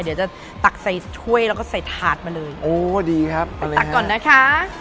เดี๋ยวจะตักใส่ถ้วยแล้วก็ใส่ทาสมาเลยโอ้ดีครับตักก่อนนะคะ